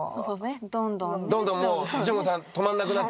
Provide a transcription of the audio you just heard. どんどんもう淳子さん止まんなくなっていくの？